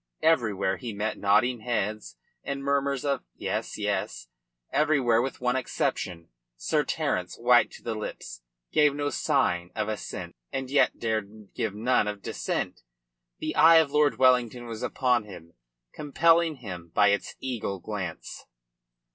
Everywhere he met nodding heads and murmurs of "Yes, Yes." Everywhere with one exception. Sir Terence, white to the lips, gave no sign of assent, and yet dared give none of dissent. The eye of Lord Wellington was upon him, compelling him by its eagle glance.